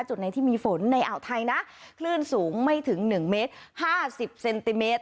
จุดไหนที่มีฝนในอ่าวไทยนะคลื่นสูงไม่ถึง๑เมตร๕๐เซนติเมตร